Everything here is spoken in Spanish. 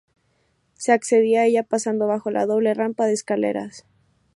Se accedía a ella pasando bajo la doble rampa de escaleras.